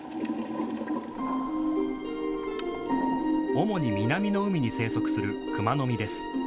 主に南の海に生息するクマノミです。